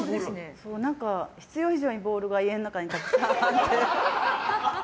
必要以上にボールが家の中にたくさんあって。